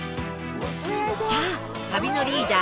さあ旅のリーダー